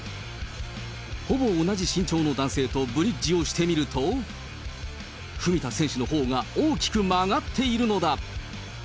ほぼ同じ身長の男性とブリッジをしてみると、文田選手のほうが大きく曲がっているのだ。